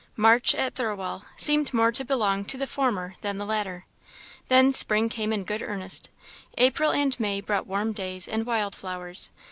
March, at Thirlwall, seemed more to belong to the former than the latter. Then spring came in good earnest; April and May brought warm days and wild flowers.